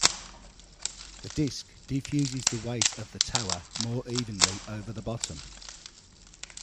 The disk diffuses the weight of the tower more evenly over the bottom.